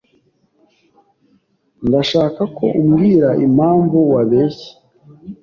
Ndashaka ko umbwira impamvu wabeshye.